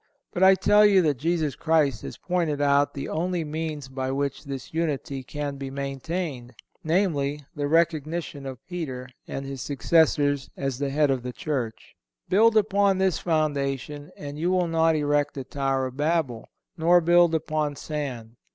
But I tell you that Jesus Christ has pointed out the only means by which this unity can be maintained, viz: the recognition of Peter and his successors as the Head of the Church. Build upon this foundation and you will not erect a tower of Babel, nor build upon sand.